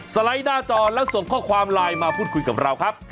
ไลด์หน้าจอแล้วส่งข้อความไลน์มาพูดคุยกับเราครับ